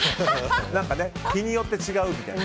日によって違うみたいな。